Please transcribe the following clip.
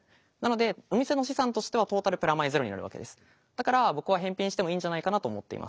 だから僕は返品してもいいんじゃないかなと思っています。